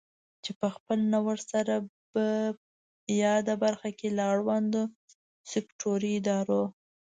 چې په خپل نوښت سره په یاده برخه کې له اړوندو سکټوري ادارو